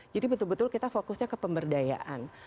jadi betul betul kita fokusnya ke pemberdayaan